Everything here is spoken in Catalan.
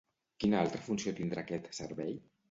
Quina altra funció tindrà aquest servei?